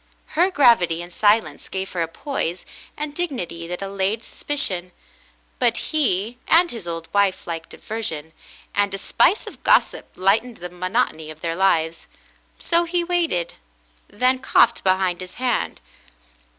Her gravity and silence gave her a poise and dignity that allayed sus picion, but he and his old wife liked diversion, and a spice of gossip lightened the monotony of their lives, so he waited, then coughed behind his hand.